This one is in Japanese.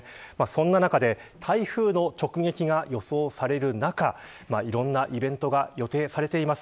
そんな中で、台風の直撃が予想される中いろんなイベントが予定されています。